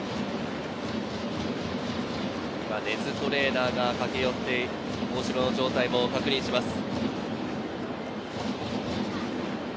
根津トレーナーが駆け寄って、腰の状態も確認します。